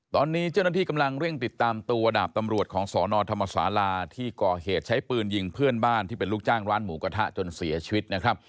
ตอนนี้เจ้าหน้าที่กำลังเร่งติดตามตัวดาบตำรวจของสนธรรมศาลาที่ก่อเหตุใช้ปืนยิงเพื่อนบ้านที่เป็นลูกจ้างร้านหมูกระทะจนเสียชีวิตนะครับ